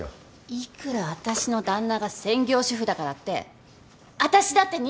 いくらあたしの旦那が専業主夫だからってあたしだって人間なんです！